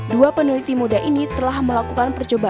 dua peneliti muda ini telah melakukan percobaan